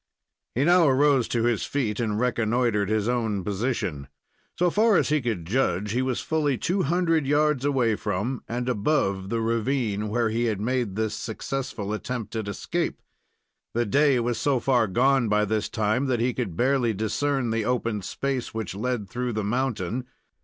He now arose to his feet and reconnoitered his own position. So far as he could judge, he was fully two hundred yards away from and above the ravine where he had made this successful attempt at escape. The day was so far gone by this time that he could barely discern the open space which led through the mountain.